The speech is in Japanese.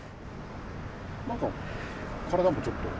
なんか体もちょっと。